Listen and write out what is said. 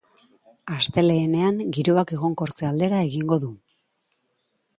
Astelehenean giroak egonkortze aldera egingo du.